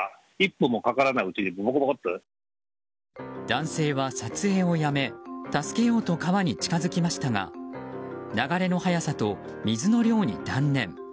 男性は撮影をやめ助けようと川に近づきましたが流れの速さと水の量に断念。